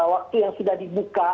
waktu yang sudah dibuka